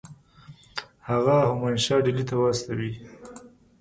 هغه همایون شاه ډهلي ته واستوي.